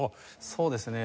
そうですね。